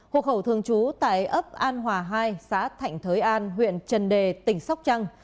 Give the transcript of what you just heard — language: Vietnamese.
hộ khẩu thường trú tại ấp an hòa hai xã thạnh thới an huyện trần đề tỉnh sóc trăng